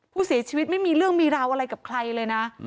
ผู้เสียชีวิตไม่มีเรื่องมีราวอะไรกับใครเลยนะ